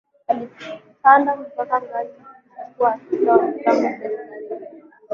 Alipanda mpaka ngazi ya kuwa afisa wa mipango serikalini